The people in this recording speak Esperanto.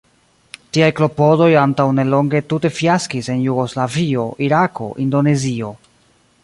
Tiaj klopodoj antaŭ nelonge tute fiaskis en Jugoslavio, Irako, Indonezio.